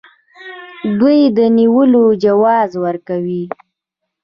دوی د نیولو جواز ورکوي.